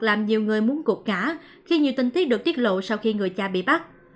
làm nhiều người muốn gục ngã khi nhiều tình tiết được tiết lộ sau khi người cha bị bắt